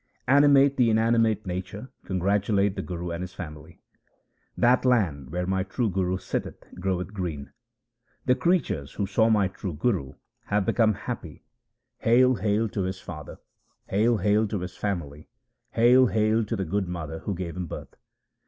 Animate and inanimate nature congratulate the Guru and his family :— That land where my true Guru sitteth groweth green. The creatures who saw my true Guru have become happy. HYMNS OF GURU RAM DAS 307 Hail, hail to his father ! hail, hail to his family ! hail, hail to the good mother who gave him birth